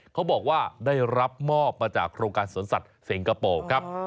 เขาบอกว่าได้รับมอบมาจากโครงการสวนสัตว์สิงคโปร์ครับ